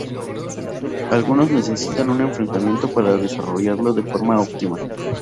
Algunos necesitan un entrenamiento para desarrollarlo de forma óptima.